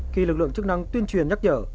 khi lực lượng chức năng tuyên truyền nhắc nhở